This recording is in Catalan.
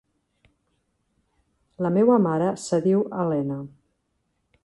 La meua mare se diu Helena.